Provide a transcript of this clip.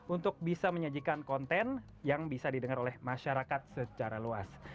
untuk bisa menyajikan konten yang bisa didengar oleh masyarakat secara luas